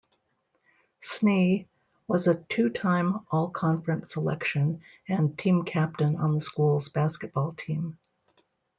Snee was a two-time All-Conference selection and team captain on the school's basketball team.